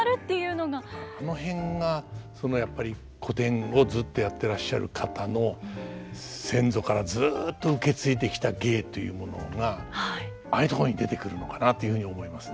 あの辺がやっぱり古典をずっとやってらっしゃる方の先祖からずっと受け継いできた芸というものがああいうところに出てくるのかなというふうに思いますね。